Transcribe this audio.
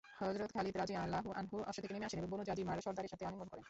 হযরত Khalid রাযিয়াল্লাহু আনহু অশ্বথেকে নেমে আসেন এবং বনু যাজিমার সর্দারের সাথে আলিঙ্গন করেন।